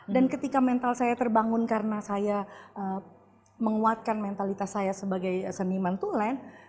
dan ketika mental saya terbangun karena saya menguatkan mentalitas saya sebagai seniman tulen